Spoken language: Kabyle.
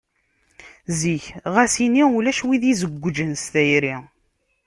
Zik ɣas ini ulac wid izewwǧen s tayri.